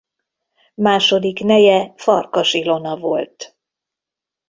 Második neje Farkas Ilona volt.